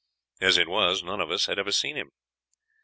As it was, none of us had ever seen him.